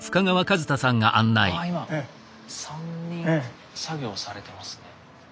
あ今３人作業されてますね。